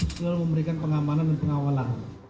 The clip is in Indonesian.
selalu memberikan pengamanan dan pengawalan